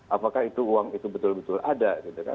apakah uang itu betul betul ada